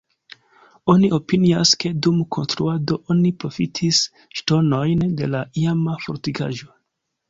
Oni opinias, ke dum konstruado oni profitis ŝtonojn de la iama fortikaĵo.